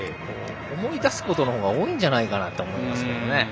思い出すことの方が多いんじゃないかなと思いますね。